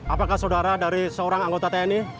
apakah saudara dari seorang anggota tni